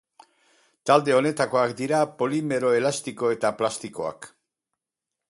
Talde honetakoak dira polimero elastiko eta plastikoak.